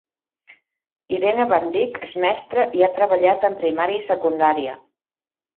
Irene van Dyk és mestra i ha treballat en primària i secundària.